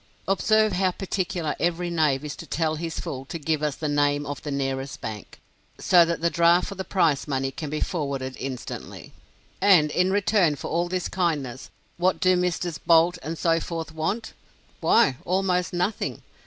Observe how particularly every knave is to tell his fool to "give us the name of the nearest bank," so that the draft for the prize money can be forwarded instantly. And in return for all this kindness, what do Messrs. Boult and so forth want? Why, almost nothing.